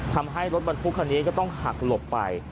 ทำให้รถบรรทุกคันนี้ก็ต้องหักหลบไป